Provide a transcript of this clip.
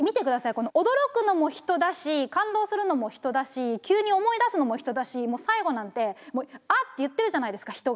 この驚くのも人だし感動するのも人だし急に思い出すのも人だし最後なんてもう「あっ」て言ってるじゃないですか人が。